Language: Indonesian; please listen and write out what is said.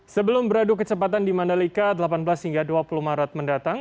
sebelum beradu kecepatan di mandalika delapan belas hingga dua puluh maret mendatang